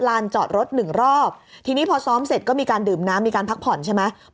ลานจอดรถหนึ่งรอบทีนี้พอซ้อมเสร็จก็มีการดื่มน้ำมีการพักผ่อนใช่ไหม